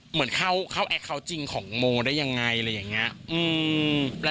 เหมือนเข้าแอคเคาน์จริงของโมได้ยังไงอะไรอย่างนี้